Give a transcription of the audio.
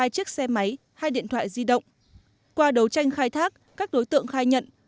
hai chiếc xe máy hai điện thoại di động qua đấu tranh khai thác các đối tượng khai nhận